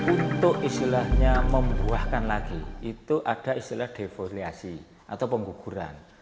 untuk istilahnya membuahkan lagi itu ada istilah defoliasi atau pengguguran